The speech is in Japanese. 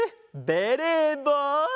ベレーぼう。